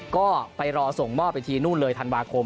ก็ไปรอส่งมอบอีกทีนู่นเลยธันวาคม